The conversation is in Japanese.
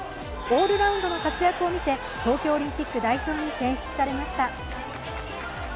オールラウンドな活躍を見せ東京オリンピック代表に選出されました。